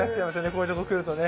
こういうとこ来るとね。